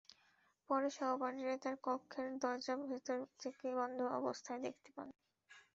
পরে সহপাঠীরা তাঁর কক্ষের দরজা ভেতর থেকে বন্ধ অবস্থায় দেখতে পান।